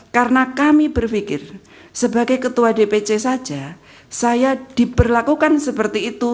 karena kami berpikir sebagai ketua dpc saja saya diperlakukan seperti itu